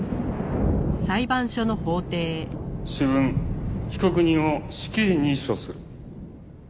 主文被告人を死刑に処する。